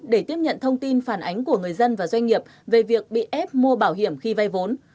để tiếp nhận thông tin phản ánh của người dân và doanh nghiệp về việc bị ép mua bảo hiểm khi vay vốn